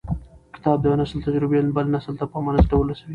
کتاب د یو نسل تجربې بل نسل ته په امانت ډول رسوي.